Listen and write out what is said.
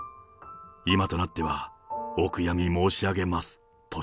今となっては、お悔やみ申し上げます！と